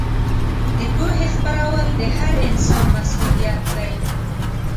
د پوهې خپرول د هر انسان مسوولیت دی.